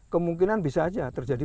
kemungkinan bisa saja terjadi